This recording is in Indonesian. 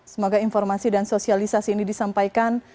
semoga informasi dan sosialisasi ini disampaikan